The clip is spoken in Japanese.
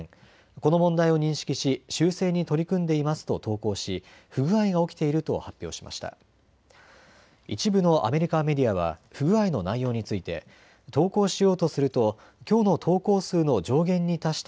この問題を認識し修正に取り組んでいますと投稿し不具合が起きていると発表しました。